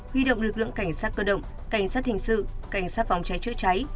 huy động lực lượng cảnh sát cơ động cảnh sát hình sự cảnh sát phóng trái chữa trái